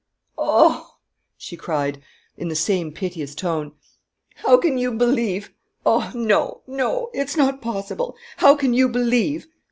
"Oh," she cried, in the same piteous tone, "how can you believe!... Oh, no, no, it's not possible! How can you believe!"